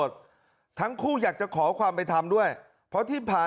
ของคันใหญ่มีค่าประตู